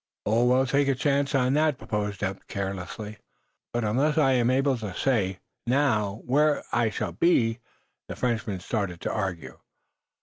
"Oh, we'll take a chance on that," proposed Eph, carelessly. "But, unless I am able to say, now, w'ere I shall be " the Frenchman started to argue.